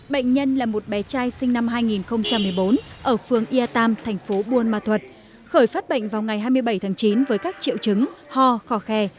bệnh nhân là một bé trai sinh năm hai nghìn một mươi bốn ở phường ia tam thành phố buôn ma thuật khởi phát bệnh vào ngày hai mươi bảy tháng chín với các triệu chứng ho khò khe